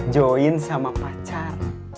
join sama pacar